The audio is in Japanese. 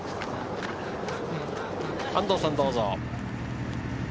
安藤さん、どうぞ。